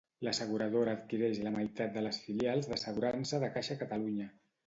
L'asseguradora adquireix la meitat de les filials d'assegurança de Caixa Catalunya.